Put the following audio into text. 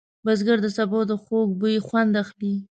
بزګر د سبو د خوږ بوی خوند اخلي